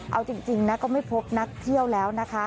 เอาจริงนะก็ไม่พบนักเที่ยวแล้วนะคะ